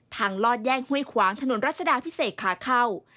ลอดแยกห้วยขวางถนนรัชดาพิเศษขาเข้า